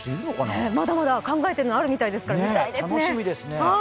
まだまだ考えていることあるみたいですから楽しみですね。